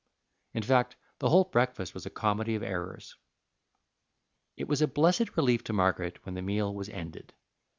In fact, the whole breakfast was a comedy of errors. It was a blessed relief to Margaret when the meal was ended.